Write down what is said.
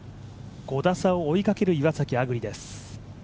５打差を追いかける岩崎亜久竜です